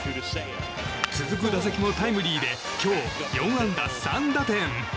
続く打席もタイムリーで今日、４安打３打点！